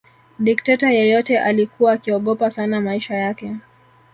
Dikteta yeyote alikuwa akiogopa sana maisha yake